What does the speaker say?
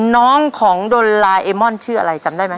น้องของดนลาเอมอนชื่ออะไรจำได้ไหม